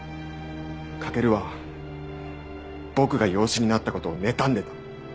駆は僕が養子になった事をねたんでた。